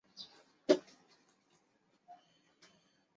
浊绡蝶属是蛱蝶科斑蝶亚科绡蝶族中的一个属。